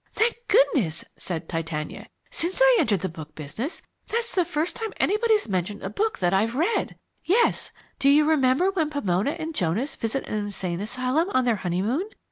"Thank goodness!" said Titania. "Since I entered the book business, that's the first time anybody's mentioned a book that I've read. Yes do you remember when Pomona and Jonas visit an insane asylum on their honeymoon?